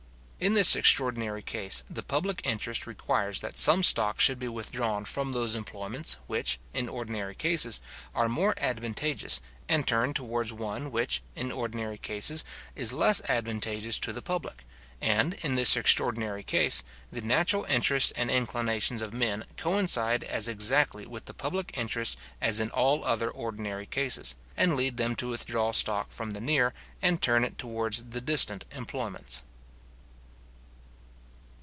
In this extraordinary case, the public interest requires that some stock should be withdrawn from those employments which, in ordinary cases, are more advantageous, and turned towards one which, in ordinary cases, is less advantageous to the public; and, in this extraordinary case, the natural interests and inclinations of men coincide as exactly with the public interests as in all other ordinary cases, and lead them to withdraw stock from the near, and to turn it towards the distant employments.